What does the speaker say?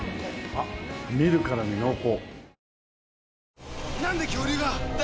見るからに濃厚！